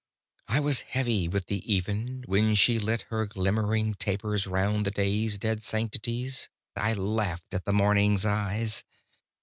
I was heavy with the even, When she lit her glimmering tapers Round the day's dead sanctities. I laughed in the morning's eyes.